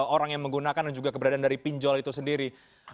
orang yang menggunakan dan juga keberadaan dari pinjol itu sendiri